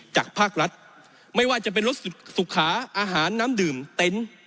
จากภาครัฐไม่ว่าจะเป็นรถสุขาอาหารน้ำดื่มเต็นต์